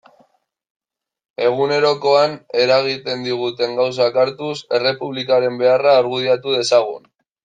Egunerokoan eragiten diguten gauzak hartuz, Errepublikaren beharra argudiatu dezagun.